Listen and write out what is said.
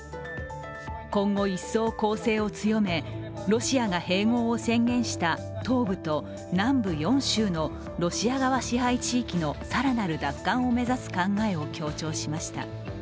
今後一層、攻勢を強めロシアが併合を宣言した東部と南部４州のロシア側支配地域の更なる奪還を目指す考えを強調しました。